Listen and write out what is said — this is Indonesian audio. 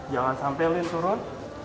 jangan sampai lean turun